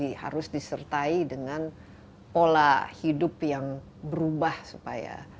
ini harus disertai dengan pola hidup yang berubah supaya